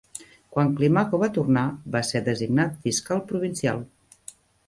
Quan Climaco va tornar, va ser designat fiscal provincial.